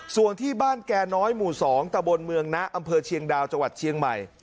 ส่วนที่บ้านแก่น้อยหมู่๒ตะบนเมืองนะอำเภอเชียงดาวจังหวัดเชียงใหม่